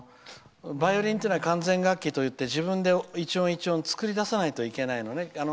バイオリンというのは完全楽器といって自分で一音一音作り出さないといけないのね。